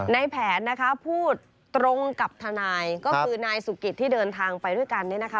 นายแผนพูดตรงกับทนายก็คือนายสุกิตที่เดินทางไปด้วยกันนี้